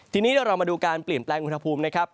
ทีนี้เรามาดูการเปลี่ยนแปลงอุณหภูมินะครับ